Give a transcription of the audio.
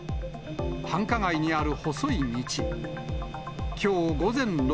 繁華街にある細い道。